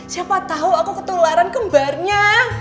siapa tahu aku ketularan kembarnya